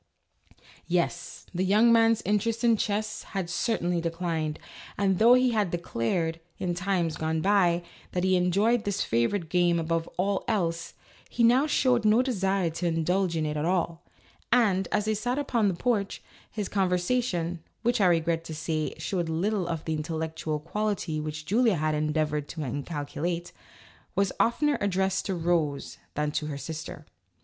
Yes, the young man's interest in chess had cer tainly declined, and though he had declared, in times gone by, that he enjoyed this favorite game above all else, he now showed no desire to indulge in it at all, and, as they sat upon the porch, his conver sation (which, I regret to say, showed little of the intellectual quality which Julia had endeavored to inculcate) was oftener addressed to Rose than to her sister.